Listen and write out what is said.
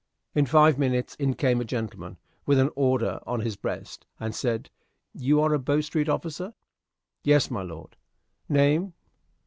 In five minutes in came a gentleman, with an order on his breast, and said, "You are a Bow Street officer?" "Yes, my lord." "Name?"